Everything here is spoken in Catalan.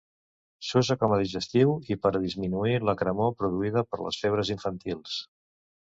S'usa com a digestiu i per a disminuir la cremor produïda per les febres infantils.